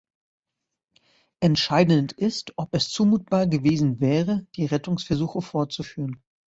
Entscheidend ist, ob es zumutbar gewesen wäre, die Rettungsversuche fortzuführen.